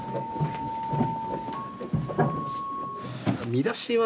見出しは。